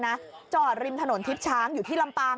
น้ำใจหรอคนเหนื่อยแทบตาย